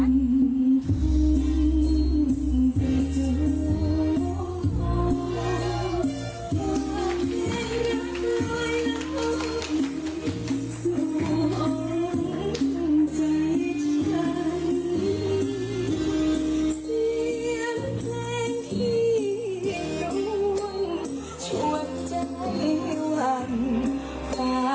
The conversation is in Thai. ขอบคุณมากเลยค่ะพี่ฟังเสียงคุณหมอนะฮะพร้อมจริงครับท่านผู้ชมครับ